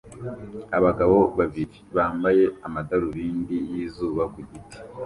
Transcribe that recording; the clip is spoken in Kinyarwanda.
Abagabo babiri bambaye amadarubindi yizuba ku giti